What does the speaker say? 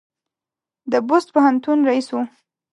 د بُست پوهنتون رییس و.